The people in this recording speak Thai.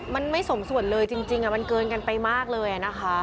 มันไม่สมส่วนเลยจริงมันเกินกันไปมากเลยนะคะ